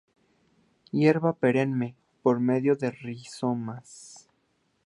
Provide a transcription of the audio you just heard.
Hierba perenne por medio de rizomas.